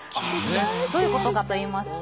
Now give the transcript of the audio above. どういうことかといいますと。